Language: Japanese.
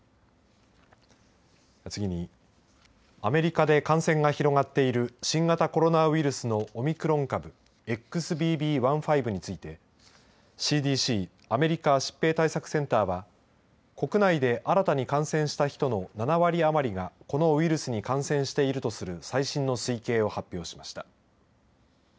次に、アメリカで感染が広がっている新型コロナウイルスのオミクロン株ＸＢＢ．１．５についてＣＤＣ＝アメリカ疾病対策センターは国内で新たに感染した人の７割余りがこのウイルスに感染しているとする最新の推計を発表しました。